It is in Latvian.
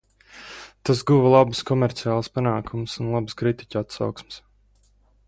Tas guva labus komerciālus panākumus un labas kritiķu atsauksmes.